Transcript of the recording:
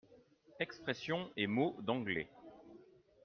Expressions et mots d'anglais.